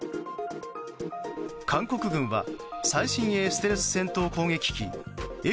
韓国軍は最新鋭ステルス戦闘攻撃機Ｆ３５